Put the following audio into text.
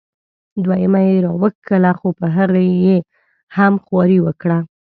دویمه یې را وښکله خو په هغې یې هم خواري وکړه.